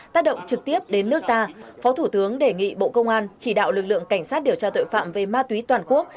tác động trực tiếp đến nước ta phó thủ tướng đề nghị bộ công an chỉ đạo lực lượng cảnh sát điều tra tội phạm về ma túy toàn quốc